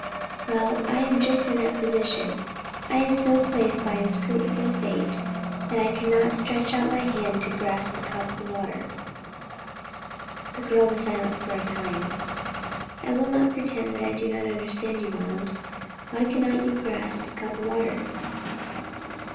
"Well, I am just in that position. I am so placed by an inscrutable Fate, that I cannot stretch out my hand to grasp the cup of water." The girl was silent for a time. "I will not pretend that I do not understand you, Ronald. Why cannot you grasp the cup of water?"